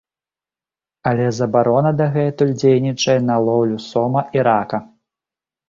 Але забарона дагэтуль дзейнічае на лоўлю сома і рака.